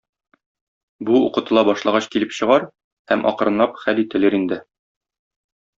Бу укытыла башлагач килеп чыгар һәм акрынлап хәл ителер инде.